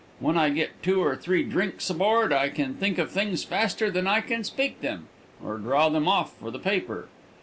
When I get two or three drinks aboard I can think of things faster than I can speak them, or draw them off for the paper.